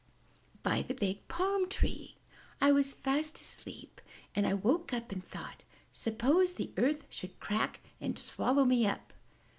"By the big palm tree. I was fast asleep, and I woke up and thought, 'Suppose the earth should crack and swallow me up!'